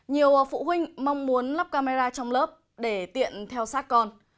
nhiều phụ huynh mong muốn lắp camera trong lớp để tiện theo sát con